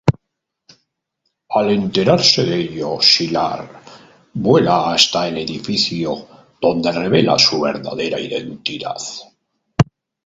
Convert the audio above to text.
Al enterarse de ello, Sylar vuela hasta el edificio, donde revela su verdadera identidad.